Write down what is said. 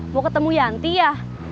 mau ketemu yanti ya